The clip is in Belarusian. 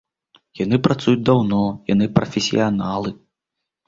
Яны працуюць даўно, яны прафесіяналы.